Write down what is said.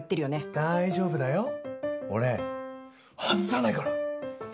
大丈夫だよ、俺外さないから。